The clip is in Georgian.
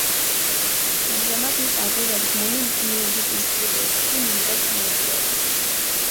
ამჟამად ის ადრე დადგმული მიუზიკლის რიმეიკში მიიღებს მონაწილეობას.